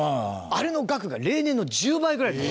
あれの額が例年の１０倍ぐらい。